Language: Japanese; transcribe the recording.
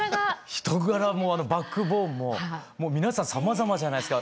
人柄もバックボーンも皆さん様々じゃないですか。